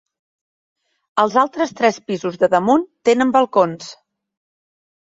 Els altres tres pisos de damunt tenen balcons.